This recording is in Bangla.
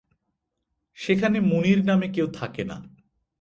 সেখানে মুনির নামের কেউ থাকে না!